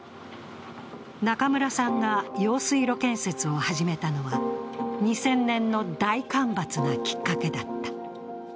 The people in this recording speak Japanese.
中村さんが用水路建設を始めたのは２０００年の大干ばつがきっかけだった。